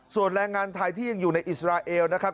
ส่วนแรงงานไทยที่ยังอยู่ในอิสราเอลนะครับ